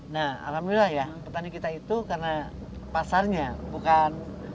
nah alhamdulillah ya petani kita itu karena pasarnya bukan